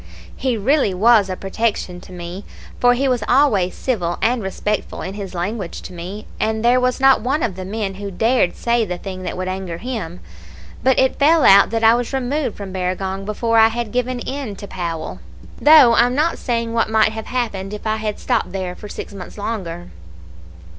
He really was a protection to me, for he was always civil and respectful in his language to me, and there was not one of the men who dared say the thing that would anger him. But it fell out that I was removed from Barragong before I had given in to Powell, though I'm not saying what might have happened if I had stopped there for six months longer.